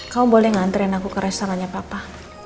kamu boleh ngantriin aku ke restorannya papa